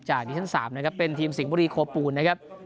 ดิชั่น๓นะครับเป็นทีมสิงห์บุรีโคปูนนะครับ